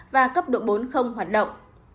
và cấp độ bốn không hoạt động